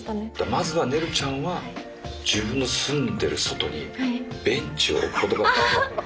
まずはねるちゃんは自分の住んでる外にベンチを置くことから。